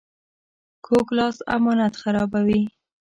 کوږ لاس امانت خرابوي